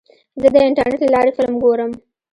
زه د انټرنیټ له لارې فلم ګورم.